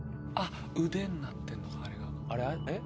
腕になってんのかあれが。